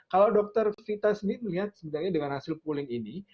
kalau dokter vita sendiri melihat sebenarnya dengan hasil pooling ini